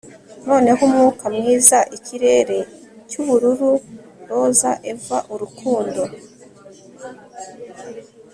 Noneho umwuka mwiza ikirere cyubururu roza Eva urukundo